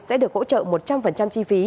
sẽ được hỗ trợ một trăm linh chi phí